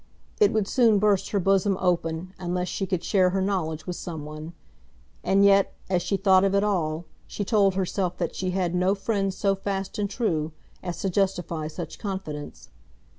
It would soon burst her bosom open, unless she could share her knowledge with some one. And yet, as she thought of it all, she told herself that she had no friend so fast and true as to justify such confidence.